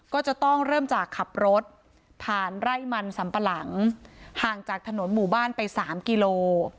ก็จะต้องเริ่มจากขับรถผ่านไร่มันสัมปะหลังห่างจากถนนหมู่บ้านไปสามกิโล